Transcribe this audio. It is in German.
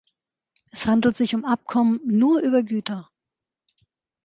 Es handelt sich um Abkommen nur über Güter.